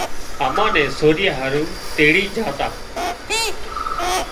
امان نين سوري هارو تيڙي جھا تا